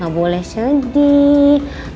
gak boleh sedih